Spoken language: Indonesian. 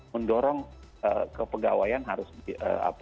mendorong kepegawaian dan kepentingan lhkpn